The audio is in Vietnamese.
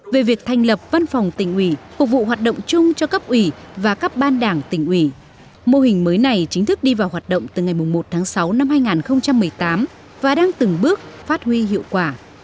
về việc thành lập văn phòng tỉnh ủy phục vụ hoạt động chung cho cấp ủy và các ban đảng tỉnh ủy mô hình mới này chính thức đi vào hoạt động từ ngày một tháng sáu năm hai nghìn một mươi tám và đang từng bước phát huy hiệu quả